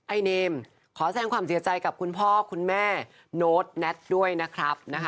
ไอเนมขอแสงความเสียใจกับคุณพ่อคุณแม่โน้ตแน็ตด้วยนะครับ